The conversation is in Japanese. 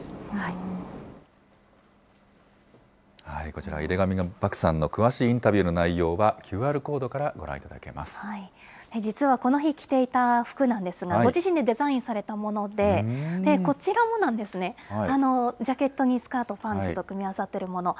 こちら、井手上漠さんの詳しいインタビューの内容は、ＱＲコードからご覧実はこの日着ていた服なんですが、ご自身でデザインされたもので、こちらもなんですね、ジャケットにスカート、パンツと組み合わさっているもの。